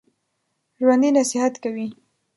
ژوندي نصیحت کوي